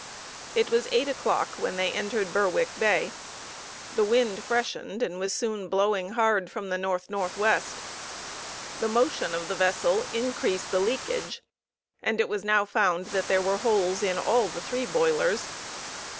It was eight o'clock when they entered Berwick Bay; the wind freshened and was soon blowing hard from N.N.W. The motion of the vessel increased the leakage, and it was now found that there were holes in all the three boilers.